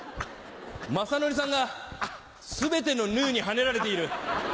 雅紀さんが全てのヌーにはねられている。